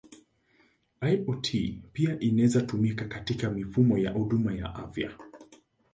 IoT pia inaweza kutumika katika mifumo ya huduma ya afya.